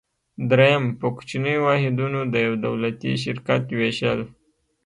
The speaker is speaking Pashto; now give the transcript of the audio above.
دریم: په کوچنیو واحدونو د یو دولتي شرکت ویشل.